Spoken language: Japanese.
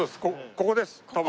ここです多分。